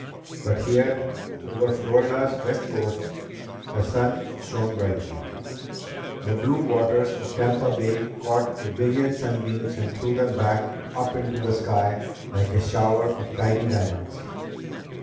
But here, over Florida's west coast, the sun shone brightly. The blue waters of Tampa Bay caught a billion sunbeams and threw them back up into the sky like a shower of tiny diamonds.